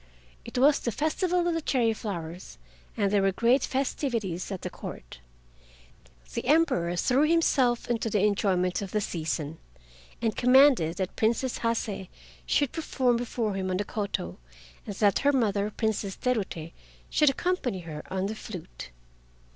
It was the Festival of the Cherry Flowers, and there were great festivities at the Court. The Emperor threw himself into the enjoyment of the season, and commanded that Princess Hase should perform before him on the koto, and that her mother Princess Terute should accompany her on the flute.